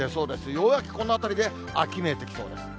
ようやくこのあたりで秋めいてきそうです。